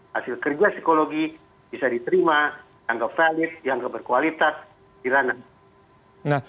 hasil kerja psikologi bisa diterima dianggap valid dianggap berkualitas di ranah